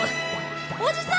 おじさん！